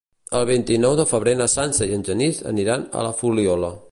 El vint-i-nou de febrer na Sança i en Genís aniran a la Fuliola.